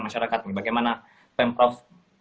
masyarakat bagaimana pemprov